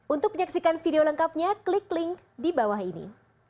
untuk menyaksikan video lengkapnya klik link di bawah ini